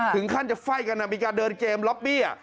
ถึงขั้นจะไฟ่กันมีการเดินเกมล็อบบี้